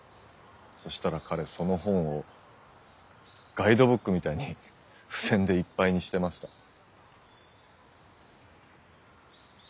そしたら彼その本をガイドブックみたいに付箋でいっぱいにしてました。